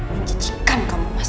mencicikkan kamu mas